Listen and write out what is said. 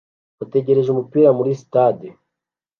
bategereje umupira muri stade